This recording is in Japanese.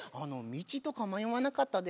道とか迷わなかったですか？